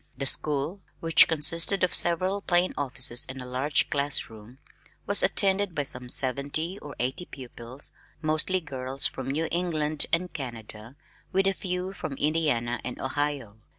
The school, which consisted of several plain offices and a large class room, was attended by some seventy or eighty pupils, mostly girls from New England and Canada with a few from Indiana and Ohio.